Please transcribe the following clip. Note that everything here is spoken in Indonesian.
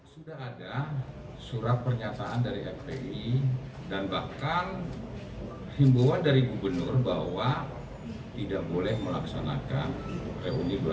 sudah ada surat pernyataan dari fpi dan bahkan himbauan dari gubernur bahwa tidak boleh melaksanakan reuni dua ribu